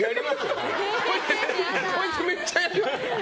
こいつ、めっちゃやる。